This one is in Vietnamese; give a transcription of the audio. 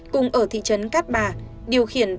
cùng ở thị trấn cát bà điều khiển